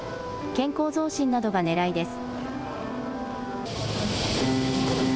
健康増進などがねらいです。